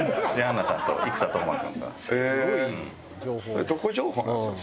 それどこ情報なんですか？